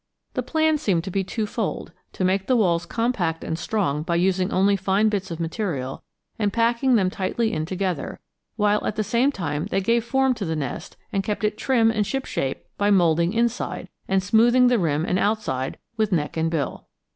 The plan seemed to be twofold, to make the walls compact and strong by using only fine bits of material and packing them tightly in together; while at the same time they gave form to the nest and kept it trim and shipshape by moulding inside, and smoothing the rim and outside with neck and bill.